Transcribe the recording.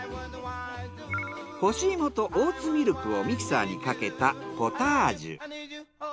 干し芋とオーツミルクをミキサーにかけたポタージュ。